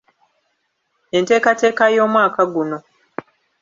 Enteekateeka y’omwaka guno.